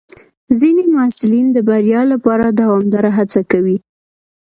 ځینې محصلین د بریا لپاره دوامداره هڅه کوي.